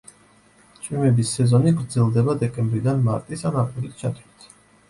წვიმების სეზონი გრძელდება დეკემბრიდან მარტის ან აპრილის ჩათვლით.